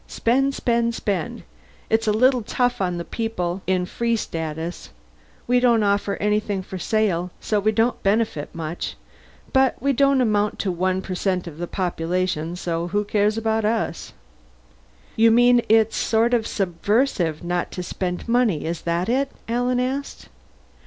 Spend, spend, spend! It's a little tough on the people in Free Status we don't offer anything for sale, so we don't benefit much but we don't amount to one per cent of the population, so who cares about us?" "You mean it's sort of subversive not to spend money, is that it?" Alan asked.